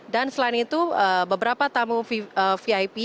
dan selain itu beberapa tamu vip yang diangkat